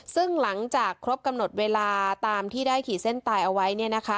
ซึ่งหลังจากครบกำหนดเวลาตามที่ได้ขีดเส้นตายเอาไว้